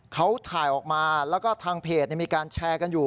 เขาถ่ายออกมาแล้วก็ทางเพจมีการแชร์กันอยู่